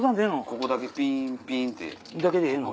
ここだけピンピンって。だけでええの？